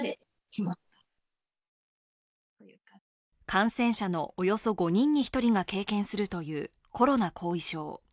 感染者のおよそ５人に１人が経験するというコロナ後遺症。